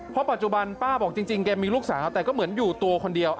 เพราะปัจจุบันป้าบอกจริงแกมีลูกสาวแต่ก็เหมือนอยู่ตัวคนเดียว